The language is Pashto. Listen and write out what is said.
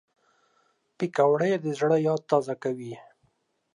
پکورې د زړه یاد تازه کوي